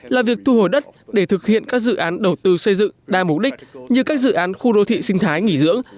là việc thu hồi đất để thực hiện các dự án đầu tư xây dựng đa mục đích như các dự án khu đô thị sinh thái nghỉ dưỡng